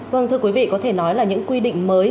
vâng thưa quý vị có thể nói là những quy định mới